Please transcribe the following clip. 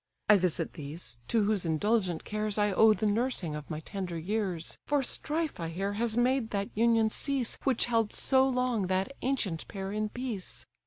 I visit these, to whose indulgent cares I owe the nursing of my tender years: For strife, I hear, has made that union cease Which held so long that ancient pair in peace.